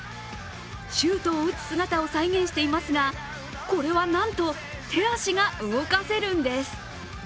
シュートを打つ姿を再現していますがこれはなんと手足が動かせるんです。